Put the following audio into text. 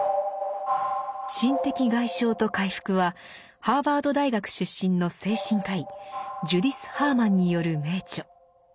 「心的外傷と回復」はハーバード大学出身の精神科医ジュディス・ハーマンによる名著。